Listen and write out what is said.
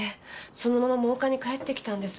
そのまま真岡に帰ってきたんです。